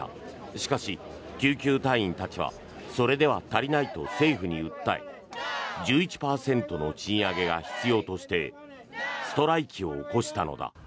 しかし、救急隊員たちはそれでは足りないと政府に訴え１１％の賃上げが必要としてストライキを起こしたのだ。